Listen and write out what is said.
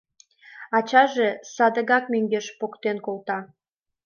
Ачаже садыгак мӧҥгеш поктен колта.